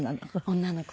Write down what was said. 女の子？